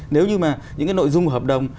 nếu như mà những cái nội dung của hợp đồng